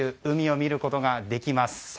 海を見ることができます。